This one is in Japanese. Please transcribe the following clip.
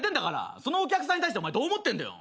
そのお客さんに対してお前どう思ってんだよ。